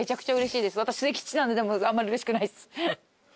私末吉なんであんまうれしくないです。